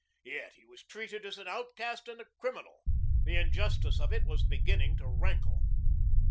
Yet he was treated as an outcast and a criminal. The injustice of it was beginning to rankle.